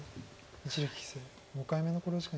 一力棋聖５回目の考慮時間に入りました。